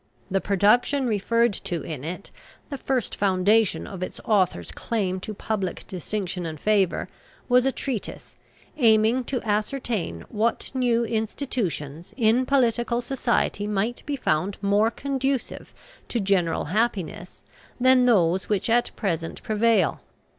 The production referred to in it, the first foundation of its author's claim to public distinction and favour, was a treatise, aiming to ascertain what new institutions in political society might be found more conducive to general happiness than those which at present prevail.